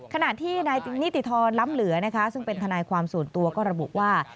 ขณะที่นิติธรรมดิ์ล้ำเหลือซึ่งเป็นทนายความสูญตัวก็ระบุว่า